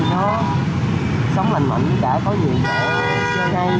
nó sống lành mạnh chứ cả có nhiều chỗ chơi hay chứ cả nhiều quá trình hơi đẹp